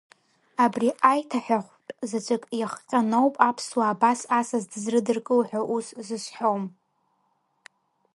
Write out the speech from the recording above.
Абри аиҭаҳәахәтә заҵәык иахҟьаноуп аԥсуаа абас асас дызрыдыркыло ҳәа ус сызҳәом.